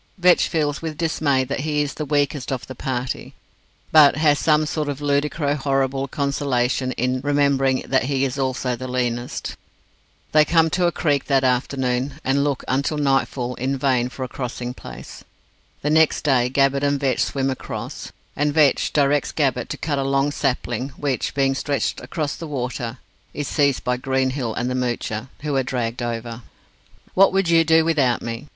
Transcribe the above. Vetch feels with dismay that he is the weakest of the party, but has some sort of ludicro horrible consolation in remembering that he is also the leanest. They come to a creek that afternoon, and look, until nightfall, in vain for a crossing place. The next day Gabbett and Vetch swim across, and Vetch directs Gabbett to cut a long sapling, which, being stretched across the water, is seized by Greenhill and the Moocher, who are dragged over. "What would you do without me?"